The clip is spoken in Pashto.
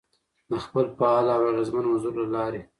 ، د خپل فعال او اغېزمن حضور له لارې،